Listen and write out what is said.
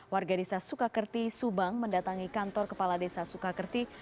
warga desa sukakerti subang mendatangi kantor kepala desa sukakerti